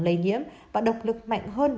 lây nhiễm và độc lực mạnh hơn